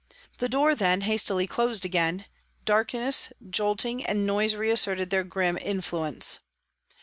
The door then hastily closed again, darkness, jolting and noise reasserted their grim influence.